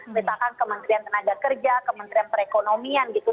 misalkan kementerian tenaga kerja kementerian perekonomian gitu